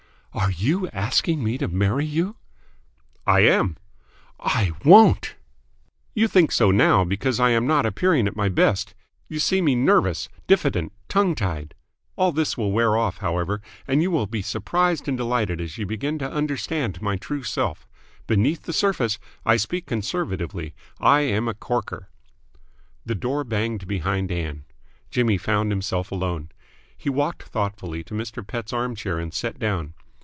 "Are you asking me to marry you?" "I am." "I won't!" "You think so now, because I am not appearing at my best. You see me nervous, diffident, tongue tied. All this will wear off, however, and you will be surprised and delighted as you begin to understand my true self. Beneath the surface I speak conservatively I am a corker!" The door banged behind Ann. Jimmy found himself alone. He walked thoughtfully to Mr. Pett's armchair and sat down.